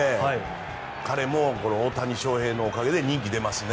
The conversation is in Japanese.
彼も大谷翔平のおかげで人気が出ますし。